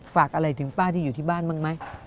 ฝากอะไรถึงป้าที่อยู่ที่บ้านบ้างไหม